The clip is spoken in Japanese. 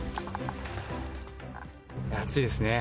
暑いですね。